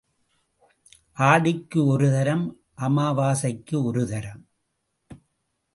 ஆடிக்கு ஒரு தரம், அமாவாசைக்கு ஒரு தரம்.